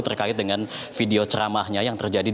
terkait dengan video ceramahnya yang terjadi